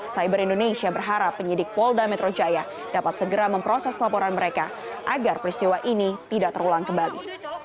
cyber indonesia berharap penyidik polda metro jaya dapat segera memproses laporan mereka agar peristiwa ini tidak terulang kembali